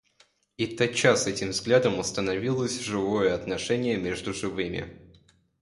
И тотчас этим взглядом установилось живое отношение между живыми.